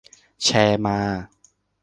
แชร์มา